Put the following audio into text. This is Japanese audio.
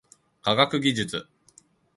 科学技術